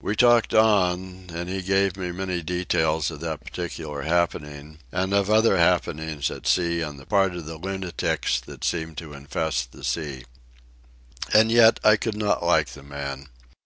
We talked on, and he gave me many details of that particular happening, and of other happenings at sea on the part of the lunatics that seem to infest the sea. And yet I could not like the man.